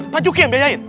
pak juki yang biayain